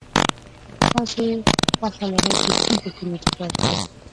تاسې خوښه لرئ چې کوم فکرونه تکرار کړئ.